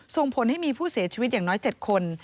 ส่งผลให้มีผู้เสียชีวิตอย่างน้อย๗คน